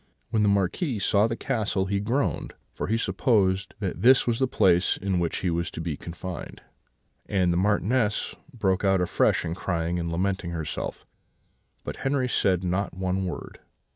"When the Marquis saw the castle he groaned, for he supposed that this was the place in which he was to be confined; and the Marchioness broke out afresh in crying and lamenting herself; but Henri said not one word.